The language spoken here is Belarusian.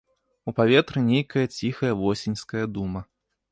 У паветры нейкая ціхая восеньская дума.